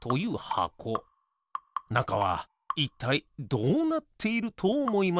なかはいったいどうなっているとおもいます？